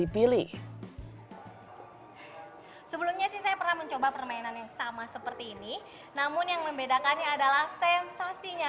pemainan yang sama seperti ini namun yang membedakannya adalah sensasinya